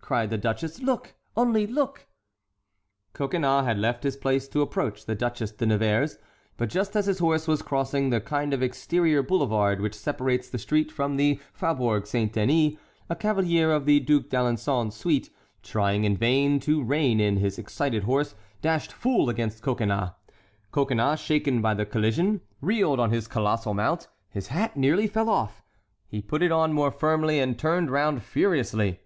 cried the duchess; "look, only look!" Coconnas had left his place to approach the Duchesse de Nevers, but just as his horse was crossing the kind of exterior boulevard which separates the street from the Faubourg Saint Denis, a cavalier of the Duc d'Alençon's suite, trying in vain to rein in his excited horse, dashed full against Coconnas. Coconnas, shaken by the collision, reeled on his colossal mount, his hat nearly fell off; he put it on more firmly and turned round furiously.